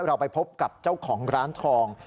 เราไปพบกับเจ้าของร้านทอง